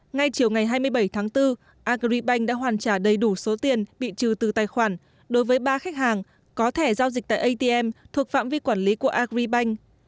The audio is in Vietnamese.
ngay chiều ngày hai mươi bảy tháng bốn agribank đã hoàn trả đầy đủ số tiền bị trừ từ tài khoản đối với ba khách hàng có thẻ giao dịch tại atm thuộc phạm vi quản lý của agribank